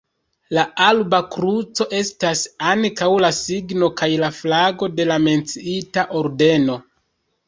La alba kruco estas ankaŭ la signo kaj la flago de la menciita ordeno.